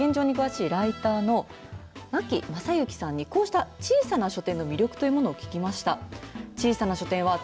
書店の現状に詳しいライターも和氣正幸さんに、こうした小さな書店の魅力というものを聞きました。